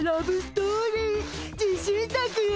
自信作よ。